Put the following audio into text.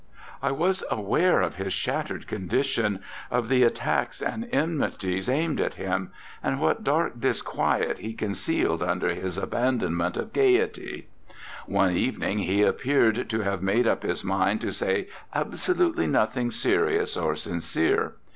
I was aware of his shattered condition, of the attacks and enmities aimed at him, and what dark disquiet he concealed under his aban donment of gaiety. One evening he appeared to have made up his mind to say absolutely nothing serious or sincere.